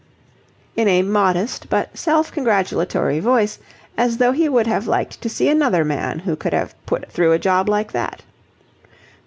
in a modest but self congratulatory voice as though he would have liked to see another man who could have put through a job like that.